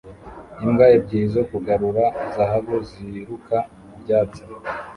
Imbwa ebyiri zo kugarura zahabu ziruka ku byatsi